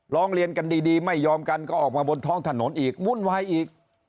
ร้องเรียนกันดีไม่ยอมกันก็ออกมาบนท้องถนนอีกวุ่นวายอีก